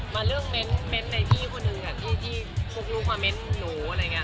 มาเรื่องเม้นต์ในพี่คนหนึ่งที่พกลูกมาเม้นต์หนูอะไรอย่างนี้